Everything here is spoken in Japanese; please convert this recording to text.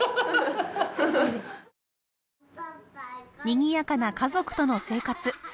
にぎやかな家族との生活。